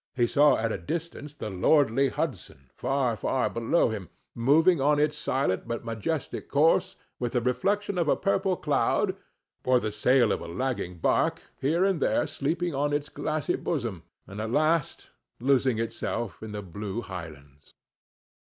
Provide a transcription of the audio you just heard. He saw at a distance the lordly Hudson, far, far below him, moving on its silent but majestic course, with the reflection of a purple cloud, or the sail of a lagging bark, here and there sleeping on its glassy bosom, and at last losing itself in the blue highlands.